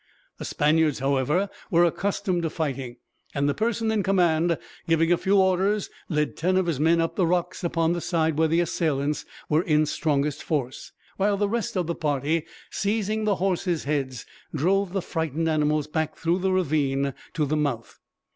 The Spaniards, however, were accustomed to fighting; and the person in command, giving a few orders, led ten of his men up the rocks upon the side where the assailants were in strongest force; while the rest of the party, seizing the horses' heads, drove the frightened animals back through the ravine to the mouth.